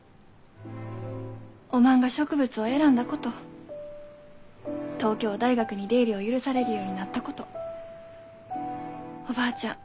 おまんが植物を選んだこと東京大学に出入りを許されるようになったことおばあちゃん